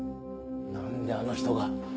なんであの人が。